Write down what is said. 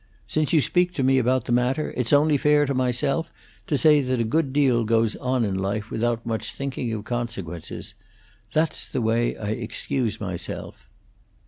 Since you speak to me about the matter, it's only fair to myself to say that a good deal goes on in life without much thinking of consequences. That's the way I excuse myself."